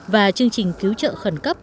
và chương trình cứu trợ khẩn cấp